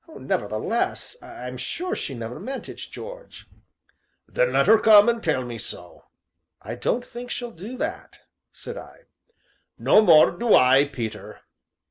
"Nevertheless, I'm sure she never meant it, George." "Then let 'er come and tell me so." "I don't think she'll do that," said I. "No more do I, Peter."